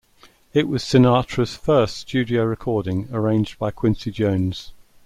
It was Sinatra's first studio recording arranged by Quincy Jones.